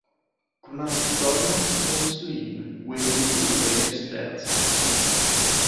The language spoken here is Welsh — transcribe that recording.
Gwnaeth gornest nos Lun wireddu ei restriad.